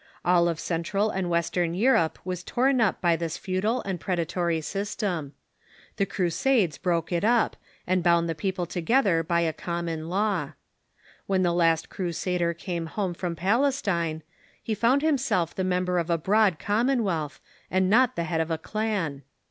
All of Central and Western Europe was torn up by this feudal and predatoiy system. The Crusades broke it up, and bound the people together by a common law. When the last Crusader came home from Palestine he found himself the member of a broad commonwealth, and not the head of a clan.